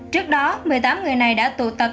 trước đó một mươi tám người này đã tụ tập